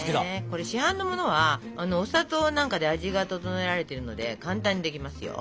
これ市販のものはお砂糖なんかで味が調えられてるので簡単にできますよ。